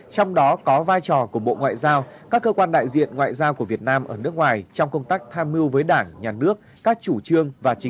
xin chào các bạn